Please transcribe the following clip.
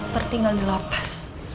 tertinggal di lapas